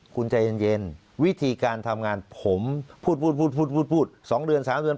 คุณใจเย็นวิธีการทำงานผมพูดพูด๒เดือน๓เดือน